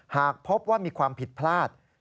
หากพบว่ามีความผิดพลาด